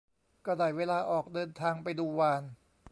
ก็ได้เวลาออกเดินทางไปดูวาฬ